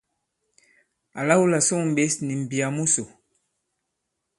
Àla wu là sôŋ ɓěs nì m̀mbiyà musò.